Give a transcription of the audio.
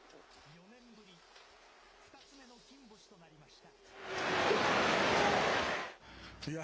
４年ぶり、２つ目の金星となりました。